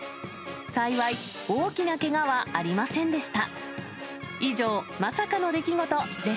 幸い、大きなけがはありませんでした。